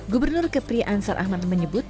gubernur kepri ansar ahmad menyebut